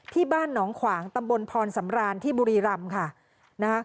ที่บ้านหนองขวางตำบลพรสำรานที่บุรีรำค่ะนะคะ